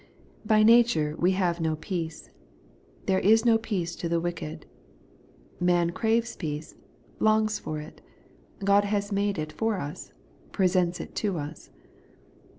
By nature we have no peace ;' there is no peace to the wicked.' Man craves peace; longs for it. God has made it for us ; presents it to us.